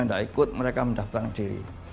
tidak ikut mereka mendaftarkan diri